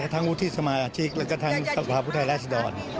ทั้งวุฒิสมาชิกและก็ทั้งสภาพุทธัยรัฐสดร